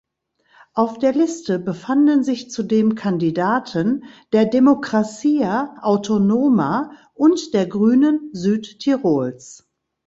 Auf der Liste befanden sich zudem Kandidaten der Democrazia Autonoma und der Grünen Südtirols.